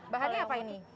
bahannya apa ini